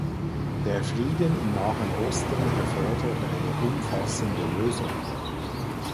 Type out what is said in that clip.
Der Frieden im Nahen Osten erfordert eine umfassende Lösung.